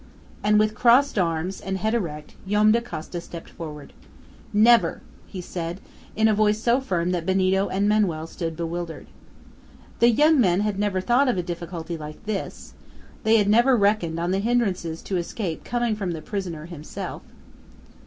And with crossed arms, and head erect, Joam Dacosta stepped forward. "Never!" he said, in a voice so firm that Benito and Manoel stood bewildered. The young men had never thought of a difficulty like this. They had never reckoned on the hindrances to escape coming from the prisoner himself.